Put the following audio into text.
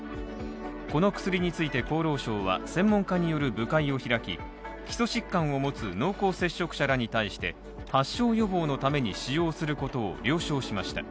この薬について厚労省は専門家による部会を開き、基礎疾患を持つ濃厚接触者に対して、発症予防のために使用することを了承しました。